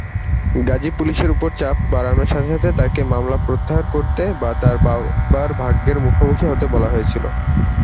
গাজী পুলিশের উপর চাপ বাড়ানোর সাথে সাথে তাকে মামলা প্রত্যাহার করতে বা তার বাবার ভাগ্যের মুখোমুখি হতে বলা হয়েছিল।